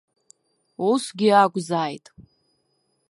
Усгьы акәзааит.